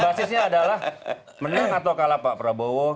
basisnya adalah menang atau kalah pak prabowo